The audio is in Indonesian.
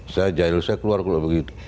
saya jahil saya keluar kalau begitu